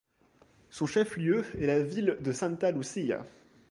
Son chef-lieu est la ville de Santa Lucía.